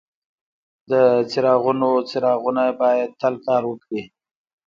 د چراغونو څراغونه باید تل کار وکړي.